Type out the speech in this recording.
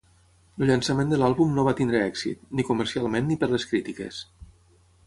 El llançament de l'àlbum no va tenir èxit, ni comercialment ni per les crítiques.